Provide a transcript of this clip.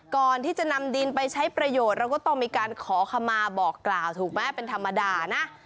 ก่อนที่จะนำดินไปใช้ประโยชน์เราก็ต้องมีการขอขมาบอกกล่าวถูกไหมเป็นธรรมดานะ